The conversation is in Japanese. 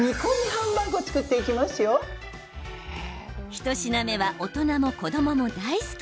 一品目は大人も子どもも大好き！